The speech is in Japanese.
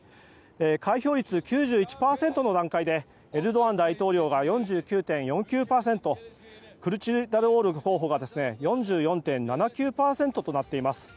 開票率９１％の段階でエルドアン大統領が４４．９４％クルチダルオール候補が４４．７９％となっています。